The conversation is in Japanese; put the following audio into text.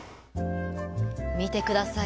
見てください！